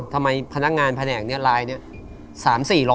ทำไมพนักงานแผนกนี้ลายนี้